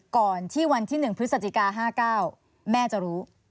ก่อนที่วันที่๑พฤศจิกา๕๙แม่จะรู้